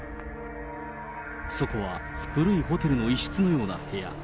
そこは古いホテルの一室のような部屋。